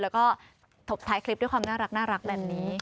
แล้วก็ถบท้ายคลิปด้วยความน่ารักแบบนี้